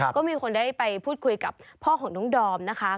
ก็มีคนได้ไปพูดคุยกับพ่อของน้องดอมนะคะ